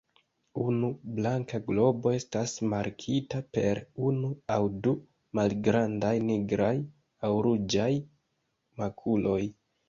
Unu blanka globo estas markita per unu aŭ du malgrandaj nigraj aŭ ruĝaj makuloj.